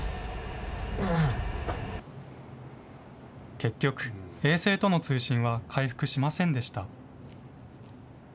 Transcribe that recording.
結局、衛星との通信は回復しませんでした。